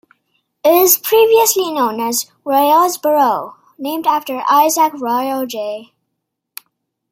It was previously known as Royallsborough, named after Isaac Royall J.